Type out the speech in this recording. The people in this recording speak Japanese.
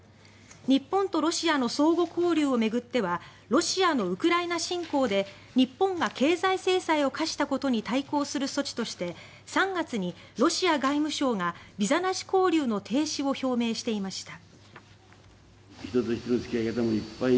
日本とロシアの相互交流を巡ってはロシアのウクライナ侵攻で日本が経済制裁を科したことに対抗する措置として３月にロシア外務省がビザなし交流の停止を表明していました。